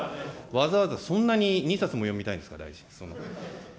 わざわざそんなに２冊も読みたいんですか、大臣。